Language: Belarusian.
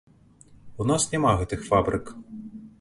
У нас няма гэтых фабрык.